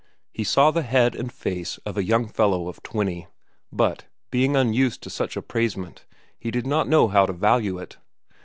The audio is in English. He saw the head and face of a young fellow of twenty, but, being unused to such appraisement, he did not know how to value it.